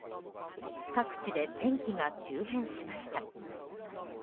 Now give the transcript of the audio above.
各地で天気が急変しました。